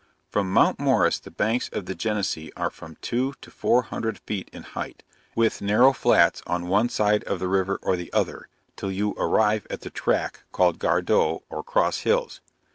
From Mount Morris the banks of the Genesee are from two to four hundred feet in height, with narrow flats on one side of the river or the other, till you arrive at the tract called Gardow, or Cross Hills.